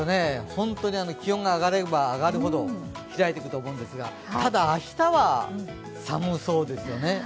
本当に、気温が上がれば上がるほど開いていくと思うんですけどただ、明日は寒そうですよね。